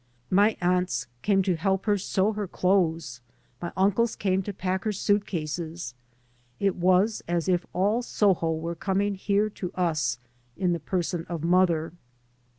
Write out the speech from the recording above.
My aunts came to help her sew her clothes, my uncles came to padc her suitcases. It was as if all Soho were coming here to us ia the person of mother.